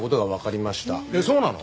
えっそうなの？